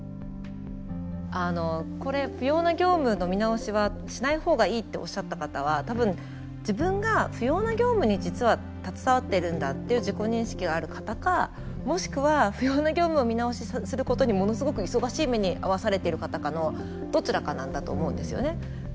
あのこれ不要な業務の見直しはしない方がいいっておっしゃった方は多分自分が不要な業務に実は携わってるんだっていう自己認識がある方かもしくは不要な業務を見直しすることにものすごく忙しい目に遭わされている方かのどちらかなんだと思うんですよね。